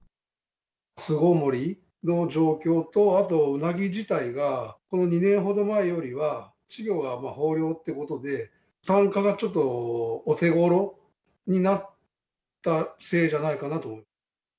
巣ごもりの状況と、あと、うなぎ自体がこの２年ほど前よりは稚魚が豊漁ってことで、単価がちょっとお手ごろになったせいじゃないかなと。